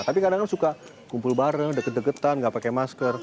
tapi kadang kadang suka kumpul bareng deket deketan nggak pakai masker